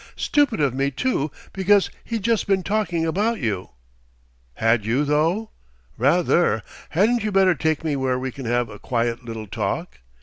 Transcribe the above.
Stupid of me, too, because we'd just been talking about you." "Had you, though!" "Rather. Hadn't you better take me where we can have a quiet little talk?"